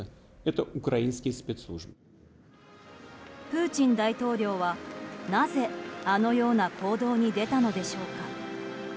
プーチン大統領は、なぜあのような行動に出たのでしょうか。